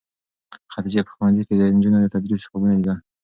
خدیجې په ښوونځي کې د نجونو د تدریس خوبونه لیدل.